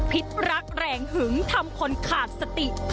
พิษรักแรงหึงทำคนขาดสติ